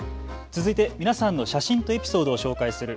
続いて皆さんの写真とエピソードを紹介する＃